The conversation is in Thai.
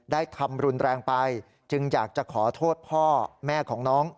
ทำรุนแรงไปจึงอยากจะขอโทษพ่อแม่ของน้อง